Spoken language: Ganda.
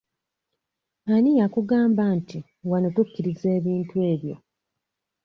Ani yakugamba nti wano tukkiriza ebintu ebyo?